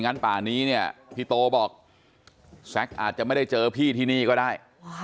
ป่านี้เนี่ยพี่โตบอกแซคอาจจะไม่ได้เจอพี่ที่นี่ก็ได้